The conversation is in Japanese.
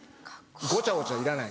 ごちゃごちゃいらない」。